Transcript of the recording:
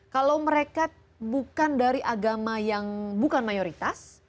kalau mereka bukan dari agama yang bukan mayoritas